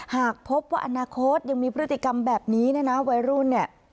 หากพบว่าอนาคตยังมีพฤติกรรมแบบนี้เนี่ยนะวัยรุ่นเนี่ย